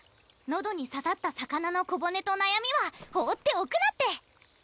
のどにささった魚の小骨となやみは放っておくなって！